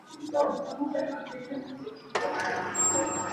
Harnak ing cu a ingtu caah cun a har ko.